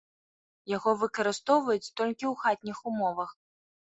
Яго выкарыстоўваюць толькі ў хатніх умовах.